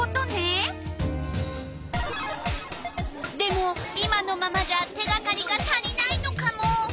でも今のままじゃ手がかりが足りないのカモ。